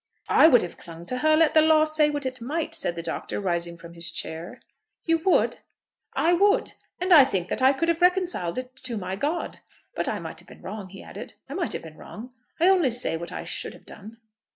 "I would have clung to her, let the law say what it might," said the Doctor, rising from his chair. "You would?" "I would; and I think that I could have reconciled it to my God. But I might have been wrong," he added; "I might have been wrong. I only say what I should have done."